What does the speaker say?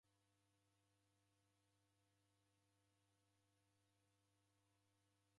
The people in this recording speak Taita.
Kwaw'ona mmbenyu sejhi wabulwa?